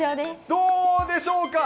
どうでしょうか。